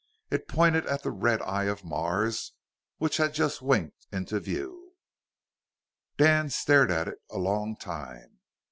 It pointed at the red eye of Mars, which had just winked into view. Dan stared at it a long time.